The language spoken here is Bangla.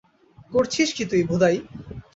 করছিস কী তুই, ভোদাই?